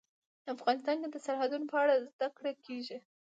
افغانستان کې د سرحدونه په اړه زده کړه کېږي.